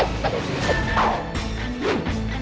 tidak ada disini